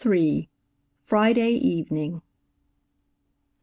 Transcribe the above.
FRIDAY EVENING.